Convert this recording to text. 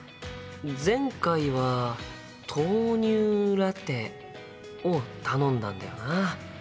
前回は豆乳ラテを頼んだんだよな。